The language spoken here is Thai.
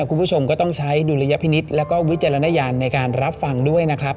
คุณผู้ชมก็ต้องใช้ดุลยพินิษฐ์แล้วก็วิจารณญาณในการรับฟังด้วยนะครับ